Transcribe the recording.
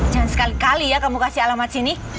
jangan sekali kali ya kamu kasih alamat sini